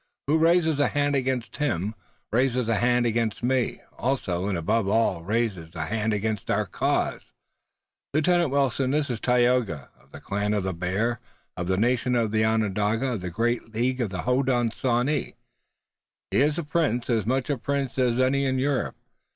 "Who raises a hand against him raises a hand against me also, and above all raises a hand against our cause. Lieutenant Wilton, this is Tayoga, of the Clan of the Bear, of the nation Onondaga, of the great League of the Hodenosaunee. He is a prince, as much a prince as any in Europe.